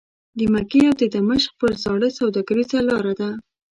د مکې او دمشق پر زاړه سوداګریزه لاره ده.